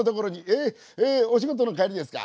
えお仕事の帰りですか？